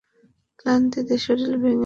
ক্লান্তিতে শরীর ভেঙ্গে আসছে।